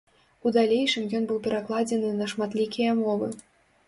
У далейшым ён быў перакладзены на шматлікія мовы.